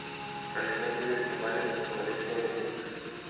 Realizó estudios primarios en el "Colegio de Ntra.